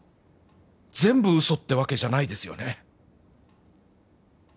全部嘘ってわけじゃないですよね？